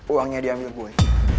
uangnya dia ambil boy